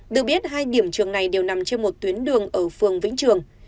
được biết hai điểm trường này đều nằm trên một tuyến đường ở phường vĩnh trường